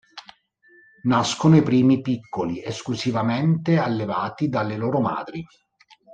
Nascono i primi piccoli, esclusivamente allevati dalle loro madri.